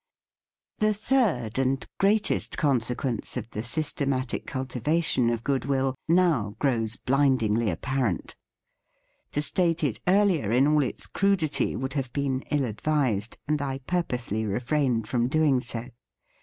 The third and greatest consequence of the systematic cultivation of good THE FEAST OF ST FRIEND will now grows blindingly apparent. To state it earlier in all its crudity would have been ill advised ; and I pur posely refrained from doing so.